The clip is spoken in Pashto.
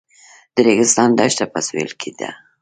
د ریګستان دښته په سویل کې ده